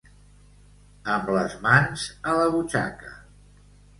Amb les mans a la butxaca.